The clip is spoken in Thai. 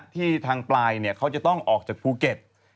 ที่ทางปลายเขาจะต้องออกจากภูเก็ต